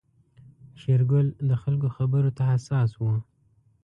شېرګل د خلکو خبرو ته حساس و.